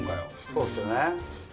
そうですよね。